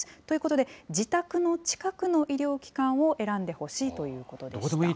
ということで、自宅の近くの医療機関を選んでほしいということでした。